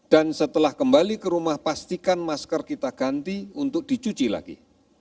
dan setelah kembali ke rumah pastikan masker kita ganti untuk dicuci lagi